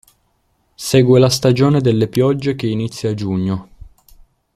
Segue la stagione della piogge che inizia a giugno.